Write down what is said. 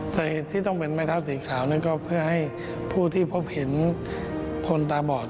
ที่ต้องเป็นไม้เท้าสีขาวนั่นก็เพื่อให้ผู้ที่พบเห็นคนตาบอด